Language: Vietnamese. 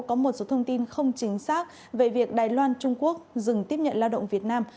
có một số thông tin không chính xác về việc đài loan trung quốc dừng tiếp nhận lao động việt nam